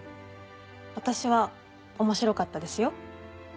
私は面白かったですよ。